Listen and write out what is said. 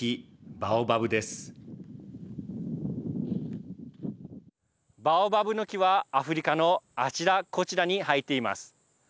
バオバブの木はアフリカのあちらこちらに生えています。